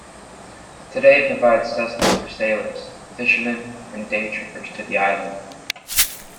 Today it provides sustenance for sailors, fishermen and day-trippers to the island.